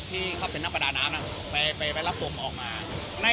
ที่เขาเป็นนักประดาน้ำไปรับผมออกมา